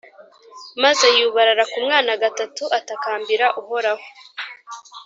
Maze yubarara ku mwana gatatu atakambira Uhoraho